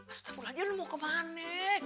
astagfirullahaladzim lu mau kemana